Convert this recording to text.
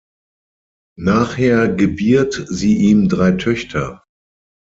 Nachher gebiert sie ihm drei Töchter.